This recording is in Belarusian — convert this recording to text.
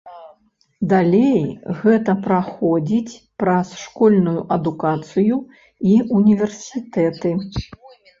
Далей гэта праходзіць праз школьную адукацыю і ўніверсітэты.